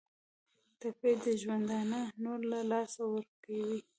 ټپي د ژوندانه نور له لاسه ورکوي.